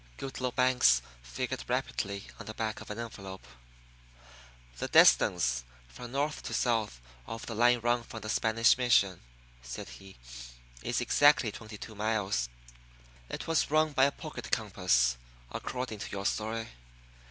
Goodloe Banks figured rapidly on the back of an envelope. "The distance, from north to south, of the line run from the Spanish mission," said he, "is exactly twenty two miles. It was run by a pocket compass, according to your story.